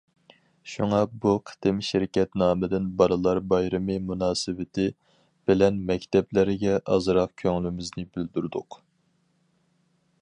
شۇڭا بۇ قېتىم شىركەت نامىدىن بالىلار بايرىمى مۇناسىۋىتى، بىلەن مەكتەپلەرگە ئازراق كۆڭلىمىزنى بىلدۈردۇق.